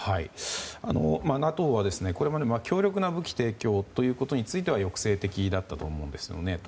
ＮＡＴＯはこれまで強力な武器提供ということについては抑制的だったと思うんですよね。